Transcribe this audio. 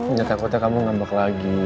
nggak takutnya kamu ngambak lagi